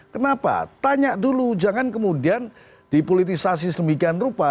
kenapa tanya dulu jangan kemudian dipolitisasi sedemikian rupa